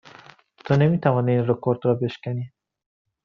تو نمی توانی این رکورد را بشکنی.